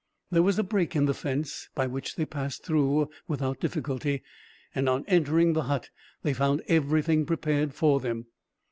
There was a break in the fence, by which they passed through without difficulty; and on entering the hut, they found everything prepared for them.